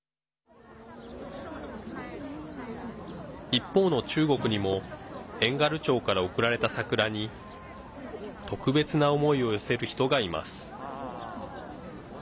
一方の中国にも遠軽町から贈られた桜に特別な思いを寄せる人がいます。